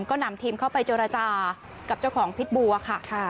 ก็นำทีมเข้าไปเจรจากับเจ้าของพิษบัวค่ะ